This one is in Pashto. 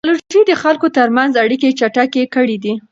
تکنالوژي د خلکو ترمنځ اړیکې چټکې کړې دي.